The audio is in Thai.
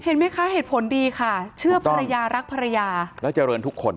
เห็นไหมคะเหตุผลดีค่ะเชื่อภรรยารักภรรยาแล้วเจริญทุกคน